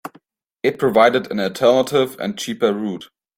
It provided an alternative and cheaper route.